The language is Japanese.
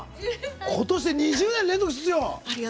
今年で２０年連続出場。